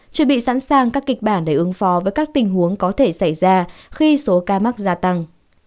chuẩn bị sẵn sàng các kịch bản để ứng phó với các tình huống có thể xảy ra khi số ca mắc gia tăng